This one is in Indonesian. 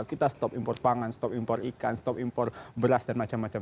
kita stop impor pangan stop impor ikan stop impor beras dan macam macam